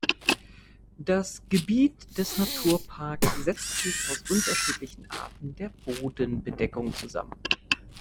Das Gebiet des Naturparks setzt sich aus unterschiedlichen Arten der Bodenbedeckung zusammen.